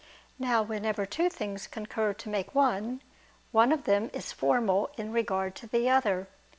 Now whenever two things concur to make one, one of them is formal in regard to the other.